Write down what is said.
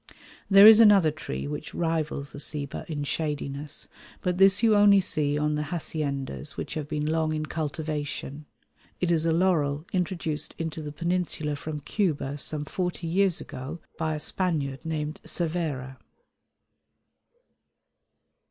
There is another tree which rivals the ceiba in shadiness, but this you only see on the haciendas which have been long in cultivation. It is a laurel introduced into the Peninsula from Cuba some forty years ago by a Spaniard named Cervera.